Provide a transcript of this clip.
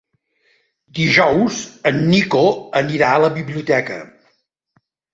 Dijous en Nico anirà a la biblioteca.